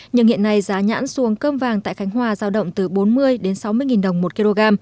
nhưng hiện nay giá nhãn xuồng cơm vàng tại khánh hòa giao động từ bốn mươi đến sáu mươi nghìn đồng một kg